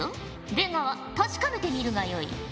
出川確かめてみるがよい。